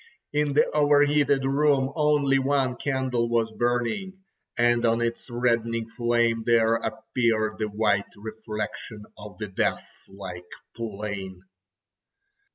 In the over heated room only one candle was burning, and on its reddening flame there appeared the white reflection of the deathlike plain.